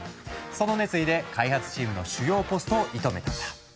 その熱意で開発チームの主要ポストを射止めたんだ。